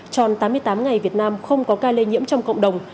tròn tám mươi tám ngày việt nam không có ca lây nhiễm trong cộng đồng